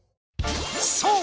そう！